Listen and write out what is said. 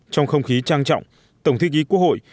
trong không khí trang trọng tổng thư ký quốc hội